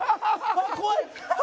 あっ怖い！」。